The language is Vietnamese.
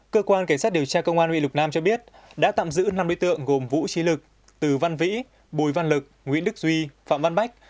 cơ quan cảnh sát điều tra công an huyện lục nam cho biết đã tạm giữ năm đối tượng gồm vũ trí lực từ văn vĩ bùi văn lực nguyễn đức duy phạm văn bách